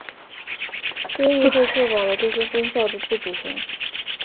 州议会确保了这些分校的自主权。